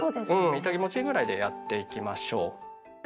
イタ気持ちいいぐらいでやっていきましょう。